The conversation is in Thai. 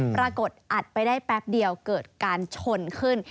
อัดไปได้แป๊บเดียวเกิดการชนขึ้น